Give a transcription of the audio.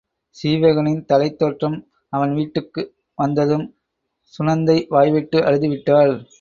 சீவகனின் தலைத் தோற்றம் அவன் வீட்டுக்கு வந்ததும் சுநந்தை வாய்விட்டு அழுதுவிட்டாள்.